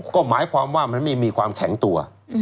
ก็หมายความว่ามันไม่มีความแข็งตัว